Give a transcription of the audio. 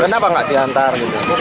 berani apa nggak diantar